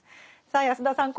さあ安田さん